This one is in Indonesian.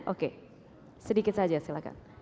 oke sedikit saja silahkan